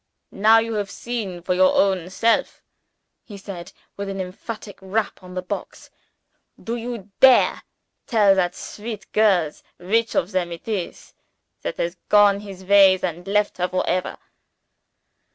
"Now you have seen for your own self," he said, with an emphatic rap on the box, "do you dare tell that sweet girls which of them it is that has gone his ways and left her for ever?"